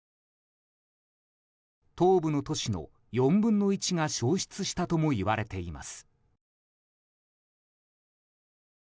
東部の都市の４分の１が消失したともいわれています。